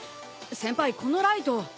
先輩このライト。